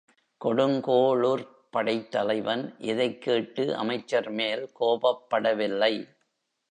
கொடுங்கோளுர்ப் படைத் தலைவன் இதைக் கேட்டு அமைச்சர் மேல் கோபப்படவில்லை.